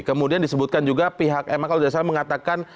kemudian disebutkan juga pihak ma kalau sudah saya katakan